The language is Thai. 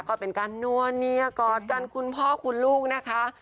ก็เป็นการนัวเนียกอดกันคุณพ่อคุณลูกนะคะ